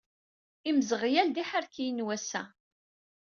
Imzeɣyal d iḥerkiyen n wass-a!